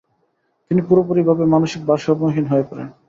তিনি পুরোপুরিভাবে মানসিক ভারসাম্যহীন হয়ে পড়েন।